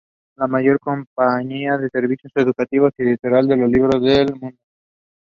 Not all areas were affected.